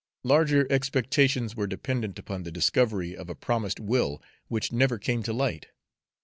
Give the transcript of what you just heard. Larger expectations were dependent upon the discovery of a promised will, which never came to light.